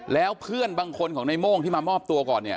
แล้วเพื่อนบางคนของในโม่งที่มามอบตัวก่อนเนี่ย